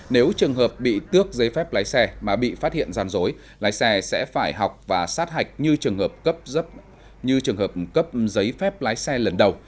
nếu trường hợp bị tước giấy phép lái xe mà bị phát hiện gian dối lái xe sẽ phải học và sát hạch như trường hợp cấp giấy phép lái xe lần đầu